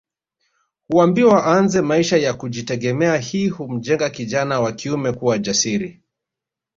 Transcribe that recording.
Huambiwa aanze maisha ya kujitegemea hii humjenga kijana wa kiume kuwa jasiri